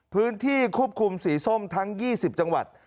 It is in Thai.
พื้นที่ควบคุมสีส้มทั้ง๒๐จังหวัด